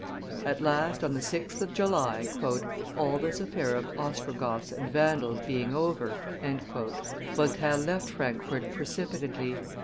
At last, on the 6th of July, "all this affair of Ostrogoths and Vandals being over," Voltaire left Frankfort precipitately.